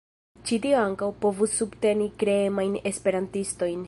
Ĉi tio ankaŭ povus subteni kreemajn esperantistojn.